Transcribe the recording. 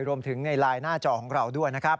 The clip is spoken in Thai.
รวมถึงในไลน์หน้าจอของเราด้วยนะครับ